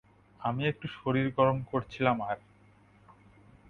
আমি একটু শরীর গরম করছিলাম আর।